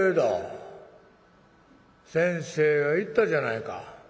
先生が言ったじゃないか。